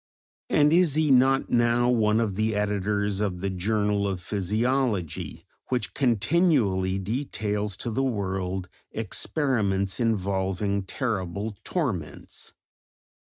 And is he not now one of the editors of the Journal of Physiology, which continually details to the world experiments involving terrible torments?